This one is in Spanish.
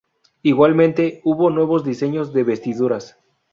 Igualmente hubo nuevos diseños de vestiduras.